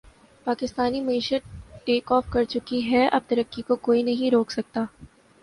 پاکستانی معشیت take off کرچکی ھے اب ترقی کو کوئی نہیں روک سکتا